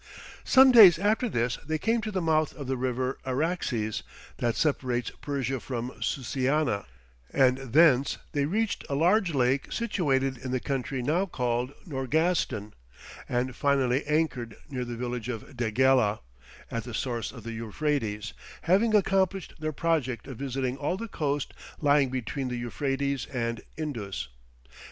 Some days after this they came to the mouth of the river Araxes, that separates Persia from Susiana, and thence they reached a large lake situated in the country now called Dorghestan, and finally anchored near the village of Degela, at the source of the Euphrates, having accomplished their project of visiting all the coast lying between the Euphrates and Indus.